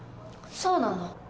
そうなの？